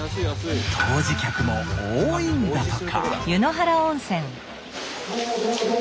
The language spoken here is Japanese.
湯治客も多いんだとか。